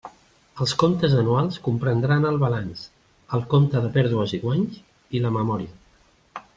Els comptes anuals comprendran el balanç, el compte de pèrdues i guanys i la memòria.